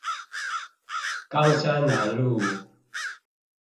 岡山南路